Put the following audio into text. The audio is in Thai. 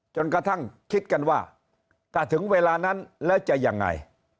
กระทั่งคิดกันว่าถ้าถึงเวลานั้นแล้วจะยังไง